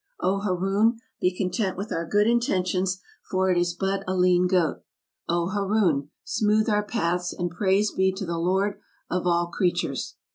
O Haroun, be content with our good intentions, for it is but a lean goat! O Haroun, smooth our paths; and praise be to the Lord of all creatures!